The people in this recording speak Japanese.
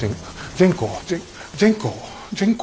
全校。